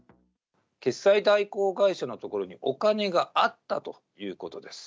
決済代行会社のところにお金があったということです。